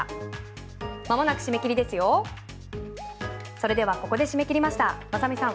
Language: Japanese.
それではここで締め切りました。